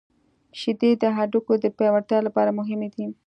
• شیدې د هډوکو د پیاوړتیا لپاره مهمې دي.